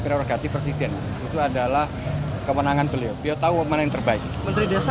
prerogatif presiden itu adalah kewenangan beliau beliau tahu mana yang terbaik menteri desa